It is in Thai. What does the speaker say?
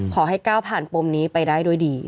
ขอให้ก้าวผ่านปมนี้ไปได้ด้วยดี